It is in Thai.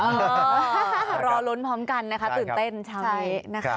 รอลุ้นพร้อมกันนะคะตื่นเต้นเช้านี้นะคะ